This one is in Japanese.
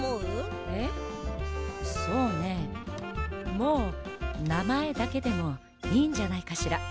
もうなまえだけでもいいんじゃないかしら。